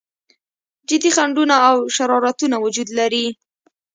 جدي خنډونه او شرارتونه وجود لري.